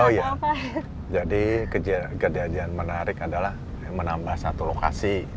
oh ya jadi kejadian menarik adalah menambah satu lokasi